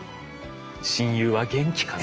親友は元気かなと。